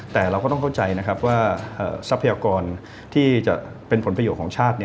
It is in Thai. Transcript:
แต่เราก็ต้องเข้าใจนะครับว่าทรัพยากรที่จะเป็นผลประโยชน์ของชาติ